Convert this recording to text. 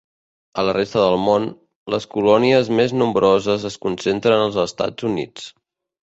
A la resta del món, les colònies més nombroses es concentren als Estats Units.